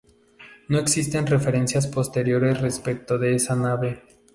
No existen referencias posteriores respecto de esta nave.